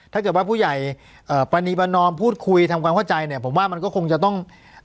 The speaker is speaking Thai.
ถ้าเกิดว่าผู้ใหญ่ปรณีประนอมพูดคุยทำความเข้าใจเนี่ยผมว่ามันก็คงจะต้อง